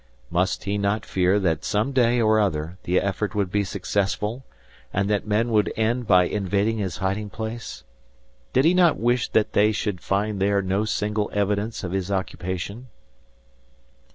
Must he not fear that some day or other the effort would be successful, and that men would end by invading his hiding place? Did he not wish that they should find there no single evidence of his occupation?